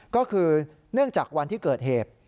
ก็คือเนื่องจากวันที่เกิดเหตุ